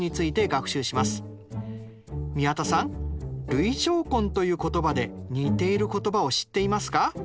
累乗根という言葉で似ている言葉を知っていますか？